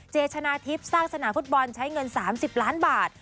ชนะทิพย์สร้างสนามฟุตบอลใช้เงิน๓๐ล้านบาท